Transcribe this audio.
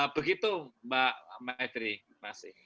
begitu mbak maitri terima kasih